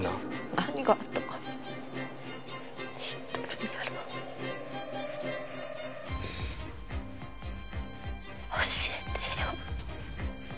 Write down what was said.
何があったか知っとるんやろ教えてよ